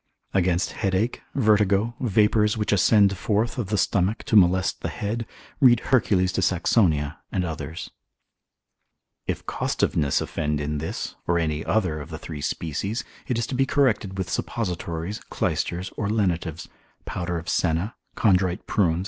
Against headache, vertigo, vapours which ascend forth of the stomach to molest the head, read Hercules de Saxonia, and others. If costiveness offend in this, or any other of the three species, it is to be corrected with suppositories, clysters or lenitives, powder of senna, condite prunes, &c.